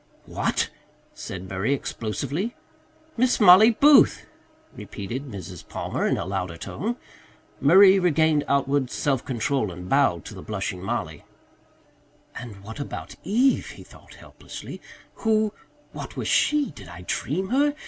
"What?" said Murray explosively. "Miss Mollie Booth," repeated Mrs. Palmer in a louder tone. Murray regained outward self control and bowed to the blushing Mollie. "And what about Eve?" he thought helplessly. "Who what was she? Did I dream her?